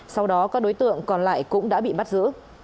sau đó các đối tượng còn lại cũng đã bị bắt giữ